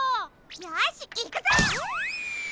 よしいくぞ！